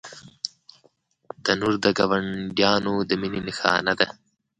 تنور د ګاونډیانو د مینې نښانه ده